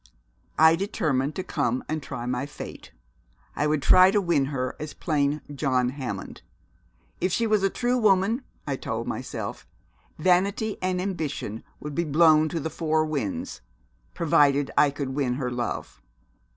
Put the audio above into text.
I determined to come and try my fate. I would try to win her as plain John Hammond. If she was a true woman, I told myself, vanity and ambition would be blown to the four winds, provided I could win her love.